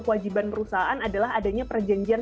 kewajiban perusahaan adalah adanya perjanjian